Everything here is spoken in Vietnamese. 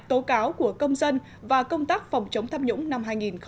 tố cáo của công dân và công tác phòng chống tham nhũng năm hai nghìn một mươi chín